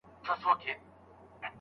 خلک د قرآن له پیغامه زده کړه کوي.